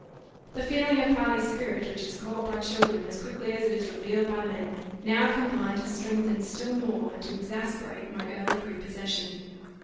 The feeling of party spirit, which is caught by children as quickly as it is revealed by men, now combined to strengthen still more and to exasperate my early prepossession.